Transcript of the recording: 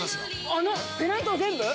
あのペナントを全部！？